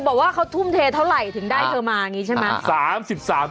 บอกว่าเขาทุ่มเทเท่าไหร่ถึงได้เธอมาอย่างนี้ใช่ไหม